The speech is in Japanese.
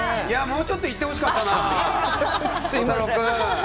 もうちょっといってほしかったな。